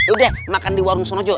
udah makan di warung sonojo